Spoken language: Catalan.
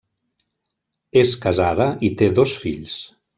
És casada i té dos fills.